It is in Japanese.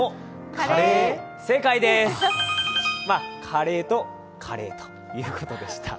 加齢とカレーということでした。